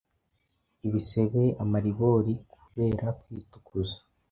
ibisebe, amaribori...kubera kwitukuza".